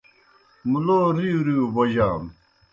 مُلو رِیؤ رِیؤ بوجانو۔